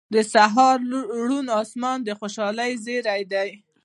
• د سهار روڼ آسمان د خوشحالۍ زیری دی.